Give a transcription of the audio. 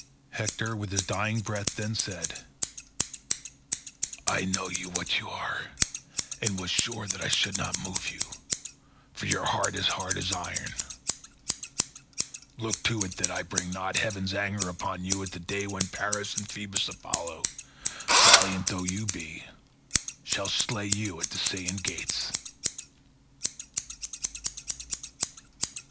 Hector with his dying breath then said, "I know you what you are, and was sure that I should not move you, for your heart is hard as iron; look to it that I bring not heaven's anger upon you on the day when Paris and Phoebus Apollo, valiant though you be, shall slay you at the Scaean gates."